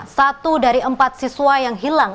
satu dari empat siswa yang hilang